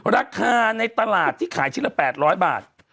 ราคาในตลาดที่ขายชิ้นละ๘๐๐บาท